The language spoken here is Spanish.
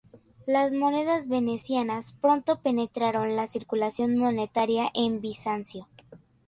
Las monedas venecianas pronto penetraron la circulación monetaria en Bizancio.